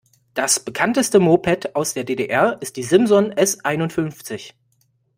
Das Bekannteste Moped aus der D-D-R ist die Simson S einundfünfzig.